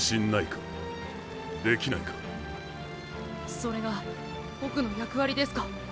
それがボクの役割ですか。